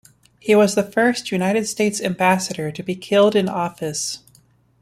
He was the first United States Ambassador to be killed in office.